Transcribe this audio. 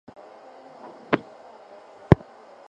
蒙希于米埃。